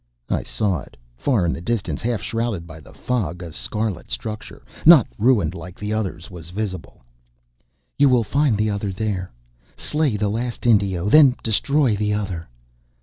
I saw it. Far in the distance, half shrouded by the fog, a scarlet structure, not ruined like the others, was visible. "You will find the Other there. Slay the last Indio, then destroy the Other."